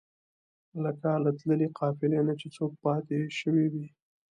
لکه له تللې قافلې نه چې څوک پاتې شوی وي.